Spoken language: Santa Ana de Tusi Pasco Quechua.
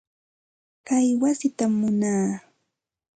Kay wasitam munaa.